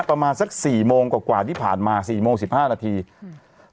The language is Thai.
ประมาณสักสี่โมงกว่ากว่าที่ผ่านมาสี่โมงสิบห้านาทีอืม